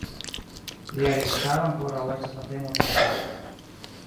Lia registaro ankoraŭ estas la temo de debato.